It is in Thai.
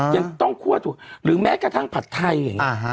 ยังต้องคั่วถูกหรือแม้กระทั่งผัดไทยอย่างนี้